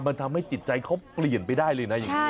มันทำให้จิตใจเขาเปลี่ยนไปได้เลยนะ